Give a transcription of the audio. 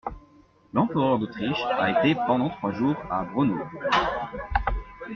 L'empereur d'Autriche a été pendant trois jours à Braunau.